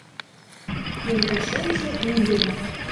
Йолташемже мӱндырнӧ.